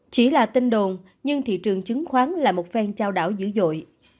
chỉ là tin đồn nhưng thị trường chứng khoán là một phen trao đảo dữ dội